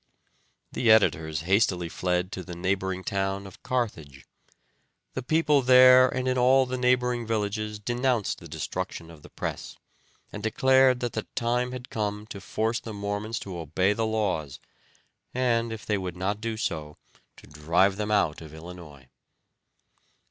The editors hastily fled to the neighboring town of Carthage. The people there and in all the neighboring villages denounced the destruction of the press, and declared that the time had come to force the Mormons to obey the laws, and, if they would not do so, to drive them out of Illinois.